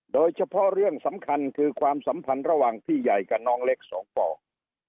โดยเฉพาะเรื่องสำคัญคือความสัมพันธ์ระหว่างพี่ใหญ่กับน้องเล็กสองปอก